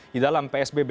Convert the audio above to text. di dalam psbb